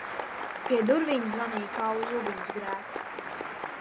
Pie durvīm zvanīja kā uz ugunsgrēku!